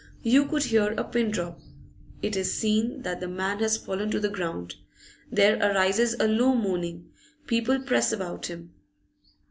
You could hear a pin drop. It is seen that the man has fallen to the ground; there arises a low moaning; people press about him.